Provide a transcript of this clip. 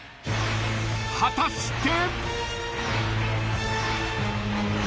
［果たして？］